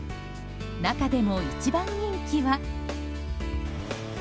中でも、一番人気は。